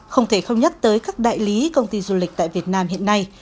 không thể không nhắc tới các đại lý công ty du lịch tại việt nam hiện nay